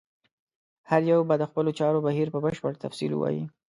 هر یو به د خپلو چارو بهیر په بشپړ تفصیل ووایي.